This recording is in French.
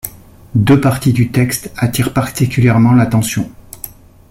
Deux parties du texte attirent particulièrement l'attention.